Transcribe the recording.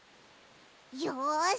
よし！